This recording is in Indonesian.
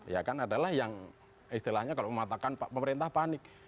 ya kan adalah yang istilahnya kalau mematakan pemerintah panik